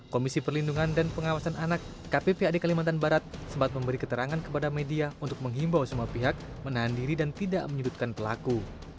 komisi perlindungan dan pengawasan anak kppad kalimantan barat sempat memberi keterangan kepada media untuk menghimbau semua pihak menahan diri dan tidak menyudutkan pelaku